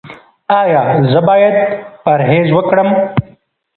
ایا زه باید پرهیز وکړم؟